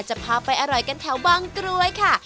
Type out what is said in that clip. จะพาไปอร่อยกันแถวบางกรวยค่ะ